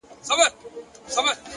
ښه ملګري ښه اغېز پرېږدي،